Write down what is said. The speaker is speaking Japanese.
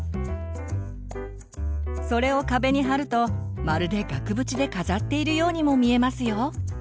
それを壁に貼るとまるで額縁で飾っているようにも見えますよ。